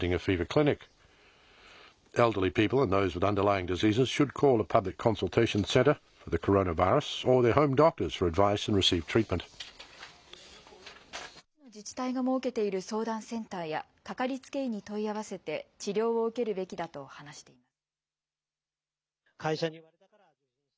高齢者や基礎疾患のある人は、各地の自治体が設けている相談センターや、かかりつけ医に問い合わせて、治療を受けるべきだと話しています。